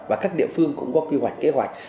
và các địa phương cũng có quy hoạch kế hoạch